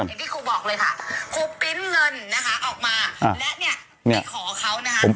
ผมพิ้นเงินออกมา